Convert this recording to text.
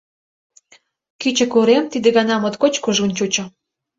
Кӱчык урем тиде гана моткоч кужун чучо.